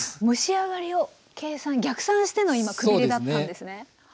蒸し上がりを計算逆算しての今くびれだったんですね。